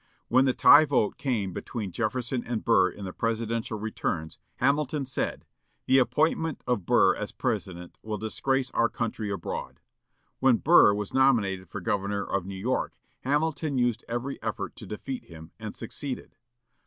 When the tie vote came between Jefferson and Burr in the Presidential returns, Hamilton said, "The appointment of Burr as President will disgrace our country abroad." When Burr was nominated for Governor of New York, Hamilton used every effort to defeat him, and succeeded.